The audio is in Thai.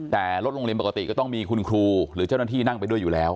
แต่รถโรงเรียนปกติก็ต้องมีคุณครูหรือเจ้าหน้าที่นั่งไปด้วยอยู่แล้ว